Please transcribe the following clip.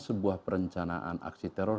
sebuah perencanaan aksi teror